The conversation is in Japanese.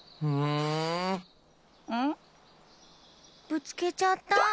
ぶつけちゃった！